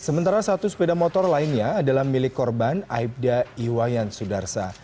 sementara satu sepeda motor lainnya adalah milik korban aibda iwayan sudarsa